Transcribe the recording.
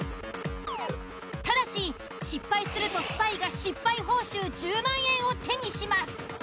ただし失敗するとスパイが失敗報酬１０万円を手にします。